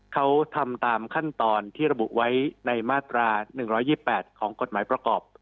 เขาทำตามขั้นตอนที่ระบุไว้ในมาตรา๑๒๘ของกฎหมายประกอบ